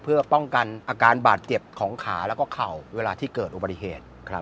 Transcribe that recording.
เพื่อป้องกันอาการบาดเจ็บของขาแล้วก็เข่าเวลาที่เกิดอุบัติเหตุ